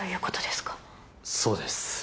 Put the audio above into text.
そうです。